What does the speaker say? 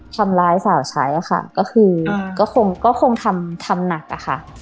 ทำร้ายสาวใช้ค่ะก็คือก็คงก็คงทำทำหนักอะค่ะ